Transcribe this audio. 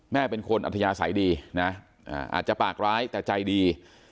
แม่เป็นคนอัธยาศัยดีนะอาจจะปากร้ายแต่ใจดี